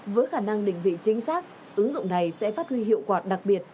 với khả năng định vị chính xác ứng dụng này sẽ phát huy hiệu quả đặc biệt